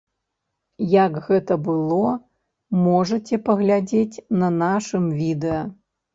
Як гэта было, можаце паглядзець на нашым відэа.